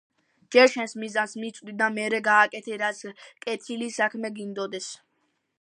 ჯერ შენს მიზანს მისწვდი და მერე გააკეთე რაც კეთილი საქმე გინდოდეს.